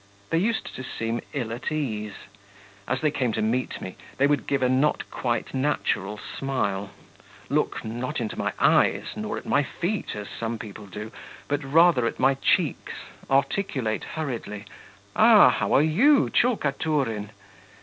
They used to seem ill at ease; as they came to meet me, they would give a not quite natural smile, look, not into my eyes nor at my feet, as some people do, but rather at my cheeks, articulate hurriedly, 'Ah! how are you, Tchulkaturin!'